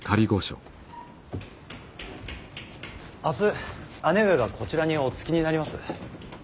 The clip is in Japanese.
明日姉上がこちらにお着きになります。